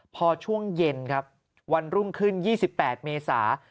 พอช่วงเย็นครับวันรุ่งขึ้น๒๘เมษา